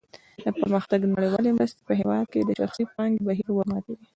د پرمختګ نړیوالې مرستې په هېواد کې د شخصي پانګې بهیر ورماتوي.